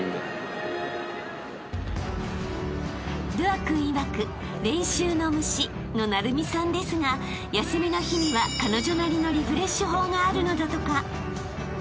［瑠亜君いわく練習の虫の晟弓さんですが休みの日には彼女なりのリフレッシュ法があるのだとか］